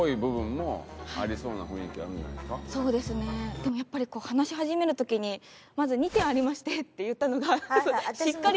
でもやっぱり話し始める時に「まず２点ありまして」って言ったのがしっかりしすぎてるなっていう。